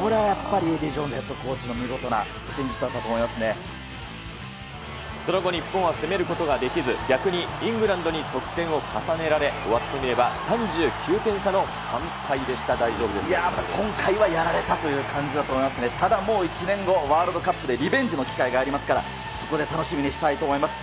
これはやっぱりエディー・ジョーンズヘッドコーチの見事な戦術だその後、日本は攻めることができず、逆にイングランドに得点を重ねられ、終わってみれば３９点差の完敗でした、やっぱり、今回はやられたという感じだと思いますね、ただ１年後、ワールドカップでリベンジの機会がありますから、そこで楽しみにしたいと思います。